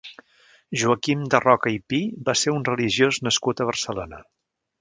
Joaquim de Roca i Pi va ser un religiós nascut a Barcelona.